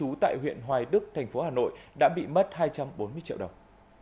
trú tại huyện hoài đức thành phố hà nội đã bị mất hai trăm bốn mươi triệu đồng